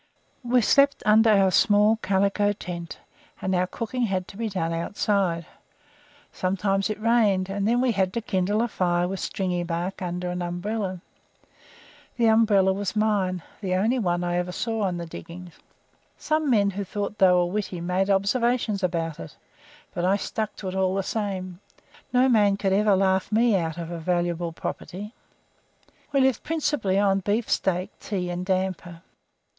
We slept under our small calico tent, and our cooking had to be done outside. Sometimes it rained, and then we had to kindle a fire with stringy bark under an umbrella The umbrella was mine the only one I ever saw on the diggings. Some men who thought they were witty made observations about it, but I stuck to it all the same. No man could ever laugh me out of a valuable property. We lived principally on beef steak, tea, and damper.